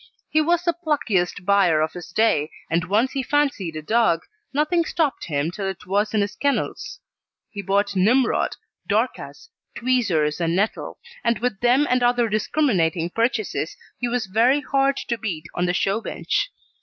He was the pluckiest buyer of his day, and once he fancied a dog nothing stopped him till it was in his kennels. He bought Nimrod, Dorcas, Tweezers, and Nettle, and with them and other discriminating purchases he was very hard to beat on the show bench.